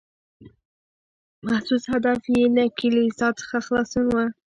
محسوس هدف یې له کلیسا څخه خلاصون و.